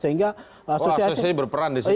sehingga asosiasi berperan disini